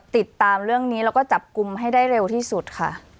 ติดตามเรื่องนี้แล้วก็จับกลุ่มให้ได้เร็วที่สุดค่ะ